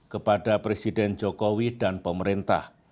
kepada presiden jokowi dan pemerintah